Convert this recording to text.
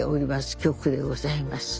曲でございます。